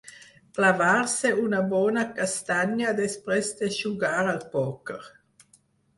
Clavar-se una bona castanya després de jugar al pòquer.